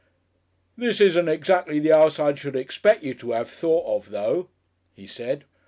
"This isn't exactly the 'ouse I should expect you to 'ave thought of, though," he said.